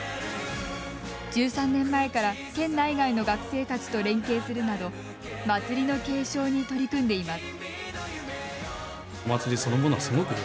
１３年前から県内外の学生たちと連携するなど祭りの継承に取り組んでいます。